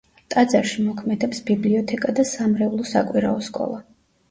ტაძარში მოქმედებს ბიბლიოთეკა და სამრევლო საკვირაო სკოლა.